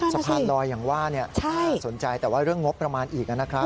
สะพานลอยอย่างว่าสนใจแต่ว่าเรื่องงบประมาณอีกนะครับ